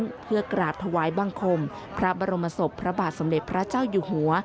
มาอีกครั้งเพื่อกราบทวายบังคมพระบรมสพพระบาทสำเร็จพระเจ้าอยู่หัว